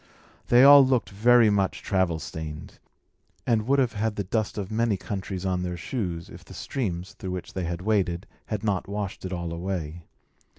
They all looked very much travel stained, and would have had the dust of many countries on their shoes, if the streams, through which they waded, had not washed it all away.